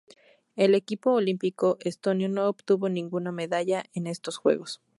El equipo olímpico estonio no obtuvo ninguna medalla en estos Juegos.